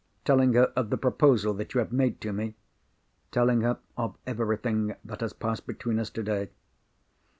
"Telling her of the proposal that you have made to me?" "Telling her of everything that has passed between us today."